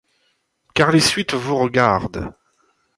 Car les suites vous regardent.